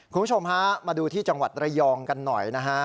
คุณผู้ชมฮะมาดูที่จังหวัดระยองกันหน่อยนะฮะ